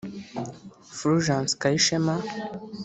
Fulgence Kayishema